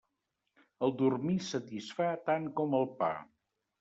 El dormir satisfà tant com el pa.